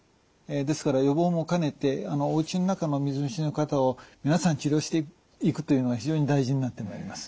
ですから予防も兼ねておうちの中の水虫の方を皆さん治療していくというのが非常に大事になってまいります。